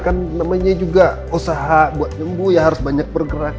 kan namanya juga usaha buat nyembuh ya harus banyak bergerak